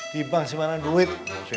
di bank simpenan duit